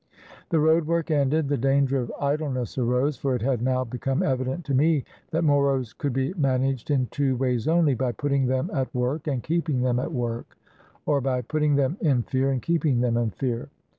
The road work ended, the danger of idleness arose, for it had now become evident to me that Moros could be managed in two ways only, — by putting them at work and keeping them at work, or by putting them in fear and keeping them in fear.